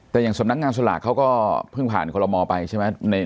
แต่อย่างสำนักงานสลากเขาก็เพิ่งผ่านคอลโมไปใช่ไหม